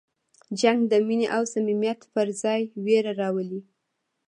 جنګ د مینې او صمیمیت پر ځای وېره راولي.